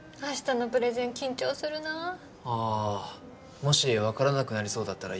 もしわからなくなりそうだったら言って。